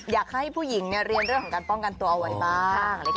อยากให้ผู้หญิงเรียนเรื่องของการป้องกันตัวเอาไว้บ้าง